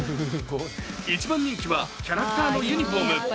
一番人気はキャラクターのユニフォーム。